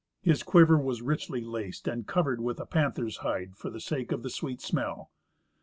His quiver was richly laced, and covered with a panther's hide for the sake of the sweet smell.